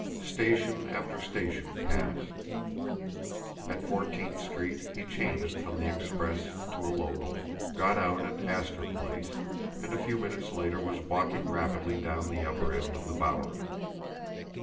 Station after station passed. At Fourteenth Street he changed from the express to a local, got out at Astor Place, and a few minutes later was walking rapidly down the upper end of the Bowery.